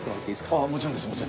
ああもちろんです。